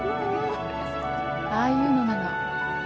ああいうのなの。